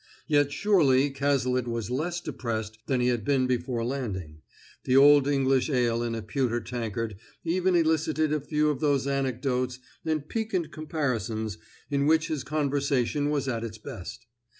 Yet surely Cazalet was less depressed than he had been before landing; the old English ale in a pewter tankard even elicited a few of those anecdotes and piquant comparisons in which his conversation was at its best.